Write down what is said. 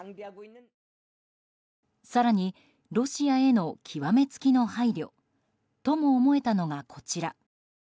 更にロシアへの極め付きの配慮とも思えたのが、こちら。